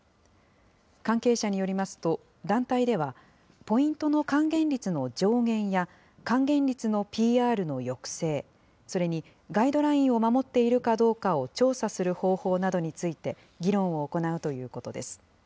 関係者によりますと、団体では、ポイントの還元率の上限や還元率のＰＲの抑制、それにガイドラインを守っているかどうかを調査する方法などについて、議論を行うということです。